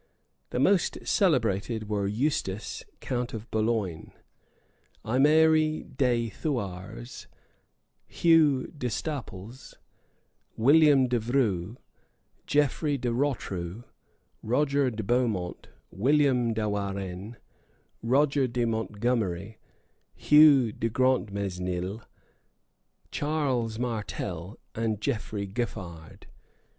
The most celebrated were Eustace, count of Boulogne, Aimeri de Thouars, Hugh d'Estaples, William d'Evreux, Geoffrey de Rotrou, Roger de Beaumont, William de Warenne, Roger de Montgomery, Hugh de Grantmesnil, Charles Martel, and Geoffrey Giffard.